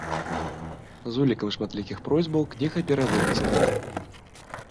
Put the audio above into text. З улікам шматлікіх просьбаў кніга перавыдадзена.